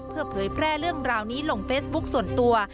เพื่อเผยแพร่เรื่องราวนี้ลงเฟซบุ๊คส่วนตัว